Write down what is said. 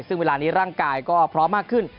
ซึ่งเวลานี้ร่างกายก็พร้อมมากขึ้น